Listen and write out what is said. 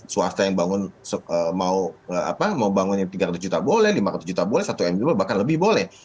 swasta yang bangun mau bangun yang tiga ratus juta boleh lima ratus juta boleh satu mbble bahkan lebih boleh